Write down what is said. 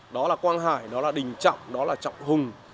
đó là quang hải đó là đình trọng đó là trọng hùng